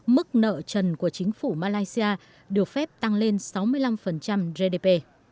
mức nợ trần của chính phủ malaysia được phép tăng lên sáu mươi năm gdp